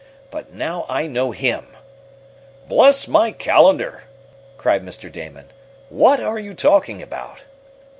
But now I know him!" "Bless my calendar!" cried Mr. Damon. "What are you talking about?"